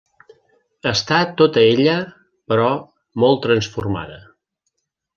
Està tota ella, però, molt transformada.